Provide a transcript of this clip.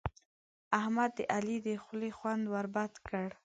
احمد د علي د خولې خوند ور بد کړ.